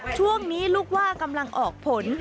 ช่วงนี้ลูกว่ากำลังออกผล